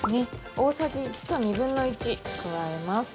大さじ１と２分の１加えます。